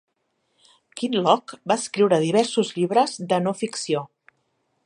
Kinloch va escriure diversos llibres de no-ficció.